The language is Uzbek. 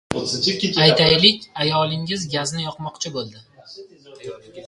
Aytaylik, ayoling gazni yoqmoqchi bo‘ladi.